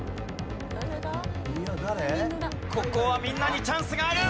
ここはみんなにチャンスがある。